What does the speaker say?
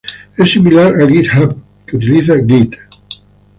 Es similar a GitHub, que utiliza Git.